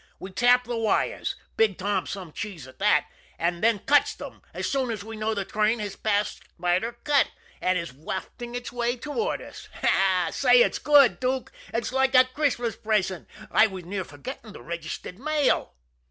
We tap the wires, Big Tom's some cheese at that, and then cuts them as soon as we know the train has passed Spider Cut, and is wafting its way toward us. Say, it's good, Dook, it's like a Christmas present I was near forgetting the registered mail."